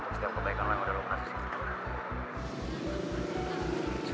untuk setiap kebaikan lu yang udah lu perasa sih